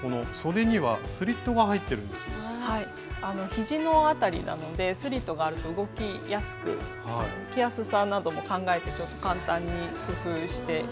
ひじの辺りなのでスリットがあると動きやすく着やすさなども考えて簡単に工夫してみました。